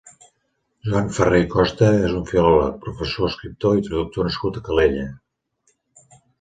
Joan Ferrer Costa és un filòleg, professor, escriptor i traductor nascut a Calella.